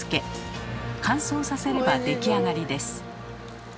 乾燥させれば出来上がりです。